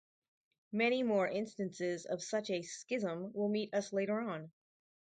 Many more instances of such a schism will meet us later on.